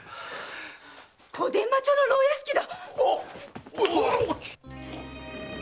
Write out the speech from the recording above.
小伝馬町の牢屋敷だ！